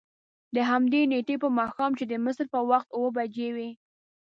دهمدې نېټې په ماښام چې د مصر په وخت اوه بجې وې.